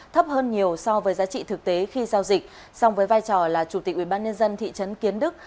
thấp hơn nhiều so với giá trị thực tế khi giao dịch song với vai trò là chủ tịch ubnd thị trấn kiến đức